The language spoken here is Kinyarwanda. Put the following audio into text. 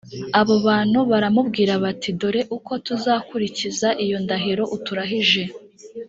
abo bantu baramubwira bati «dore uko tuzakurikiza iyo ndahiro uturahije.